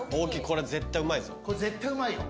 これ絶対うまいよ。